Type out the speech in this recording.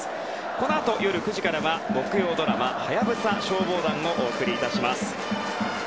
この後夜９時からは木曜ドラマ「ハヤブサ消防団」をお送りいたします。